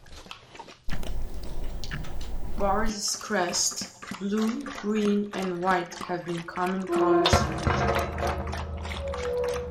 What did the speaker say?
Bar this crest, blue, green and white have been common colours used.